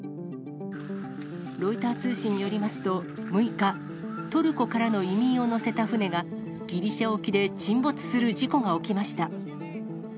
ロイター通信によりますと６日、トルコからの移民を乗せた船が、ギリシャ沖で沈没する事故が起きました。